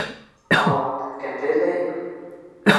Аңлат: кемде эҙләйһең?